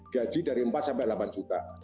gaji dari empat sampai delapan juta